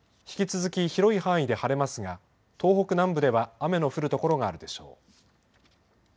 引き続き広い範囲で晴れますが東北南部では雨の降る所があるでしょう。